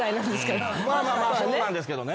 まあまあまあそうなんですけどね。